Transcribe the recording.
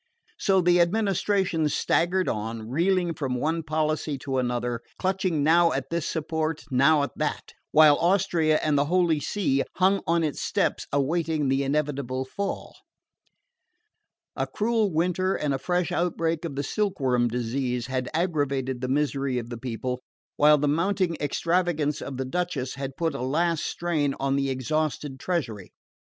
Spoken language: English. So the administration staggered on, reeling from one policy to another, clutching now at this support and now at that, while Austria and the Holy See hung on its steps, awaiting the inevitable fall. A cruel winter and a fresh outbreak of the silkworm disease had aggravated the misery of the people, while the mounting extravagance of the Duchess had put a last strain on the exhausted treasury.